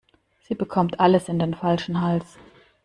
Sie bekommt alles in den falschen Hals.